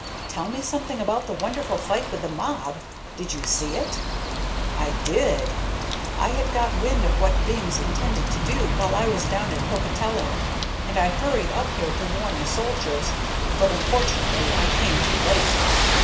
"Tell me something about that wonderful fight with the mob. Did you see it?" "I did. I had got wind of what Bings intended to do while I was down at Pocotello, and I hurried up here to warn the soldiers, but unfortunately I came too late.